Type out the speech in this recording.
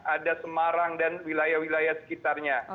ada semarang dan wilayah wilayah sekitarnya